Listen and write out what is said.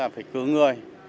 phải cứu người